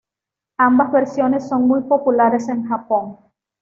Ambas versiones son muy populares en Japón.